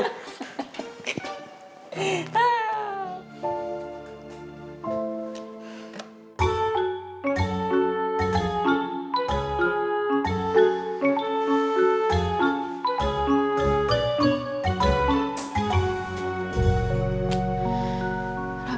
pas sekali lu